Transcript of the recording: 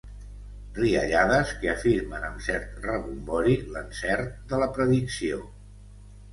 Riallades que afirmen amb cert rebombori l'encert de la predicció.